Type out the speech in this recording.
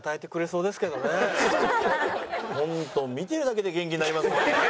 本当見てるだけで元気になりますもんね。